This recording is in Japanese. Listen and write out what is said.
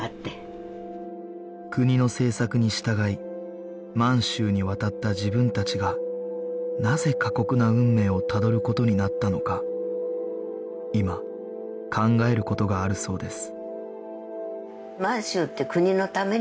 国の政策に従い満州に渡った自分たちがなぜ過酷な運命をたどる事になったのか今考える事があるそうです